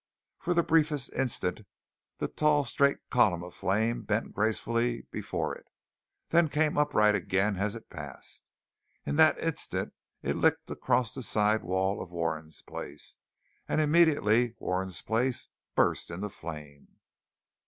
For the briefest instant the tall straight column of flame bent gracefully before it, then came upright again as it passed. In that instant it licked across the side wall of Warren's place, and immediately Warren's place burst into flame.